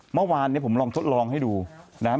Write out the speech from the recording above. เมื่อวานเนี่ยผมลองทดลองให้ดูนะครับ